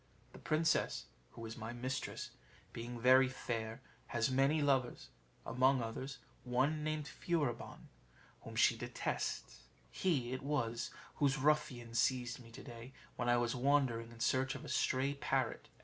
The princess, who is my mistress, being very fair, has many lovers among others, one named Furibon, whom she detests: he it was whose ruffians seized me to day when I was wandering in search of a stray parrot.